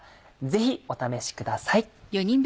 ぜひお試しください。